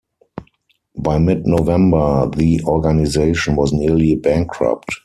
By mid-November the organization was nearly bankrupt.